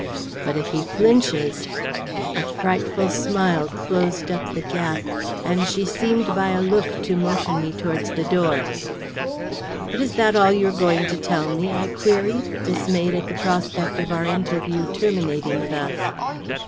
But if he flinches " A frightful smile closed up the gap, and she seemed by a look to motion me towards the door. "But is that all you are going to tell me?" I queried, dismayed at the prospect of our interview terminating thus.